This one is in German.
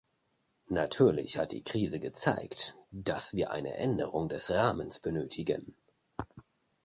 Natürlich hat die Krise gezeigt, dass wir eine Änderung des Rahmens benötigen.